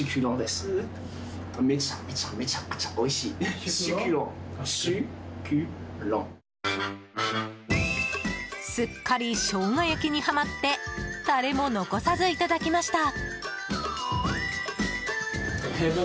すっかりショウガ焼きにハマってタレも残さずいただきました。